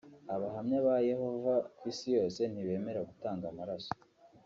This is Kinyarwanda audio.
Abahamya ba Yehova ku isi hose ntibemera gutanga amaraso